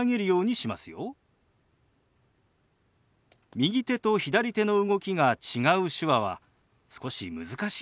右手と左手の動きが違う手話は少し難しいかもしれませんね。